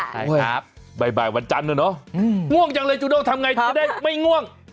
ครับบ่ายบ่ายวันจันทร์ด้วยเนอะง่วงจังเลยจูน้องทำไงจะได้ไม่ง่วง